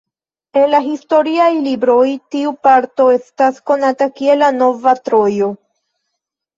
En la historiaj libroj tiu parto estas konata kiel "La nova Trojo".